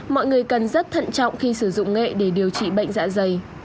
mọi người cần rất thận trọng khi sử dụng nghệ để điều trị bệnh dạ dày